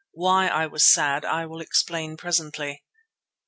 Why I was sad I will explain presently.